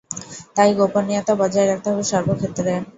তাই, গোপনীয়তা বজায় রাখতে হবে সর্বক্ষেত্রে!